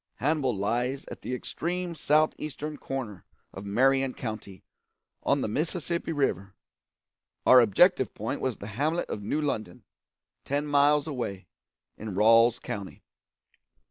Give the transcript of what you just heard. Hannibal lies at the extreme south eastern corner of Marion County, on the Mississippi River; our objective point was the hamlet of New London, ten miles away, in Ralls County.